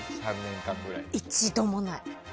一度もない。